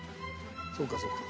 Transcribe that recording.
［そうかそうか］